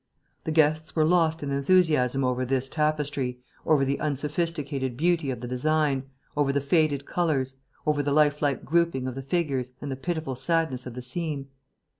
The guests were lost in enthusiasm over this tapestry, over the unsophisticated beauty of the design, over the faded colours, over the life like grouping of the figures and the pitiful sadness of the scene.